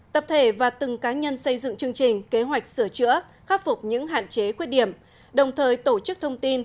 tập thể và từng cá nhân xây dựng chương trình kế hoạch sửa chữa khắc phục những hạn chế khuyết điểm đồng thời tổ chức thông tin